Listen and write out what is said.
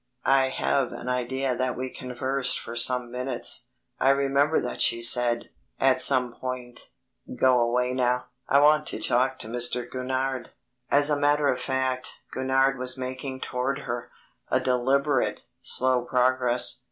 I have an idea that we conversed for some minutes. I remember that she said, at some point, "Go away now; I want to talk to Mr. Gurnard." As a matter of fact, Gurnard was making toward her a deliberate, slow progress.